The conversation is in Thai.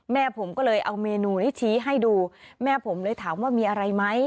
แม่ผมก็เลยเอาเมนูนี้ชี้ให้ดูแม่ผมเลยถามว่ามีอะไรไหม